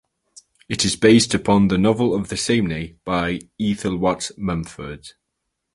It is based upon the novel of the same name by Ethel Watts Mumford.